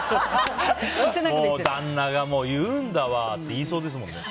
旦那が言うんだわって言いそうですもんね。